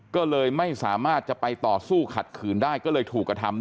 ก็เลยไม่สามารถจะไปต่อสู้ขัดขืนได้ก็เลยถูกกระทำ